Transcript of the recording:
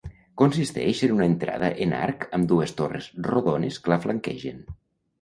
Consisteix en una entrada en arc amb dues torres rodones que la flanquegen.